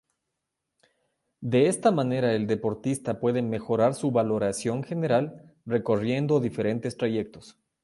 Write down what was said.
De esta manera el deportista puede mejorar su valoración general, recorriendo diferentes trayectos.